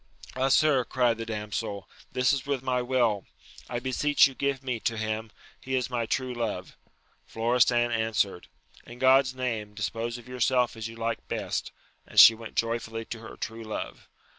Ah, sir, cried the damsel, this is with my will ! I beseech you give me to him : he is my true love. Florestan answered, In God's name, dis pose of yourself as you like best ! and she went joy fully to her true love.